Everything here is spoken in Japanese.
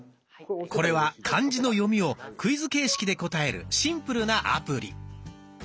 これは漢字の読みをクイズ形式で答えるシンプルなアプリ。